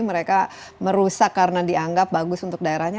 mereka merusak karena dianggap bagus untuk daerahnya